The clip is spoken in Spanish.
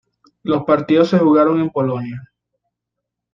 Los partidos se jugaron en Polonia.